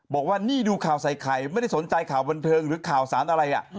บอกว่านี่ดูข่าวใส่ไข่ไม่ได้สนใจข่าวบันเทิงหรือข่าวสารอะไร